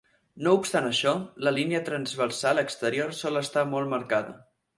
No obstant això, la línia transversal exterior sol estar molt marcada.